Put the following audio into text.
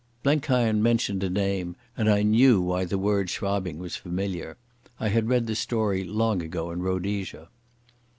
Blenkiron mentioned a name, and I knew why the word Schwabing was familiar. I had read the story long ago in Rhodesia.